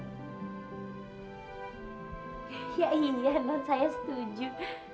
iya iya non saya setuju